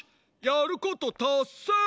やることたっせい。